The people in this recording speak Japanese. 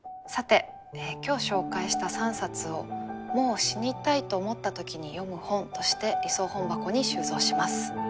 さて今日紹介した３冊を「もう死にたいと思った時に読む本」として理想本箱に収蔵します。